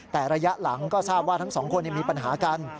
แต่ระยะหลังก็ทราบว่าทั้งสองคนมีปัญหากัน